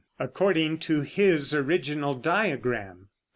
(According to his original diagram.)